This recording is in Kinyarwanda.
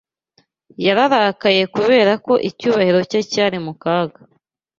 Yararakaye kubera ko icyubahiro cye cyari mu kaga